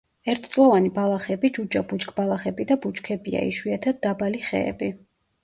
ერთწლოვანი ბალახები, ჯუჯა ბუჩქბალახები და ბუჩქებია, იშვიათად დაბალი ხეები.